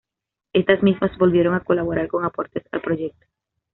Estas mismas volvieron a colaborar con aportes al proyecto.